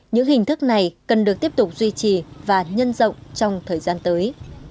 những hình thức này cần được tiếp tục duy trì và nhân rộng trong thời gian tới